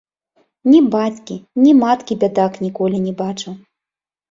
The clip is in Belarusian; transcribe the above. Ні бацькі, ні маткі бядак ніколі не бачыў.